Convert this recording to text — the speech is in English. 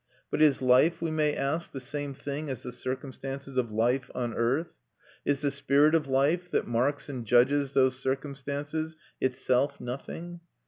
But is life, we may ask, the same thing as the circumstances of life on earth? Is the spirit of life, that marks and judges those circumstances, itself nothing?